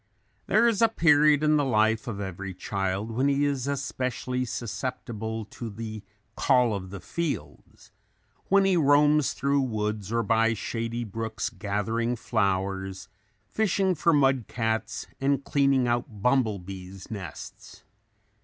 There is a period in the life of every child when he is especially susceptible to the "call of the fields;" when he roams through woods or by shady brooks gathering flowers, fishing for mud cats and cleaning out bumble bees' nests.